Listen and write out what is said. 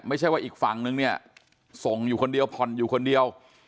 ไม่ใช่ว่าอีกฝั่งนึงเนี่ยส่งอยู่คนเดียวผ่อนอยู่คนเดียว